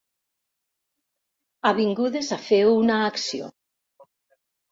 Avingudes a fer una acció.